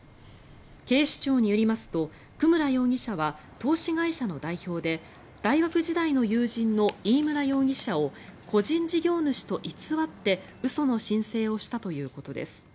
警視庁によりますと久村容疑者は投資会社の代表で大学時代の友人の飯村容疑者を個人事業主と偽って嘘の申請をしたということです。